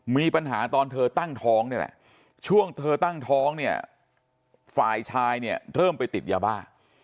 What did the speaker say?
มีปัญหาตอนเธอตั้งท้องนี่แหละช่วงเธอตั้งท้องเนี่ยฝ่ายชายเนี่ยเริ่มไปติดยาบ้า